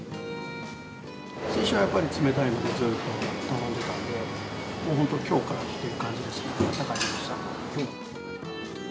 先週はやっぱり冷たいそばをずっと頼んでいたので、本当、きょうからっていう感じですね、温かいのにしたのは。